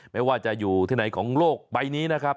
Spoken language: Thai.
ไม่ว่าจะอยู่ที่ไหนของโลกใบนี้